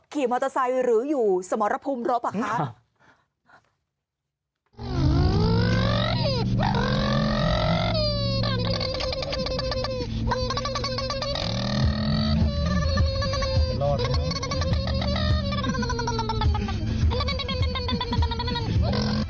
ขี่มอเตอร์ไซด์หรืออยู่สมรพุมแล้วหรือเปล่าครับ